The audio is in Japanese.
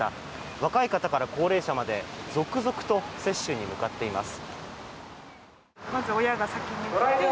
若い方から高齢者まで続々と接種に向かっています。